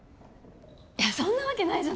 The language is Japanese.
いやそんなわけないじゃない。